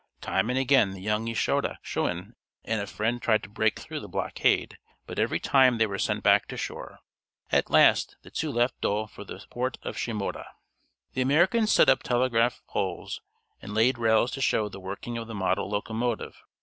Time and again the young Yoshida Shoin and a friend tried to break through the blockade, but every time they were sent back to shore. At last the two left Yedo for the port of Shimoda. The Americans set up telegraph poles, and laid rails to show the working of the model locomotive.